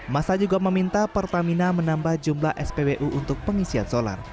masa juga meminta pertamina menambah jumlah spbu untuk pengisian solar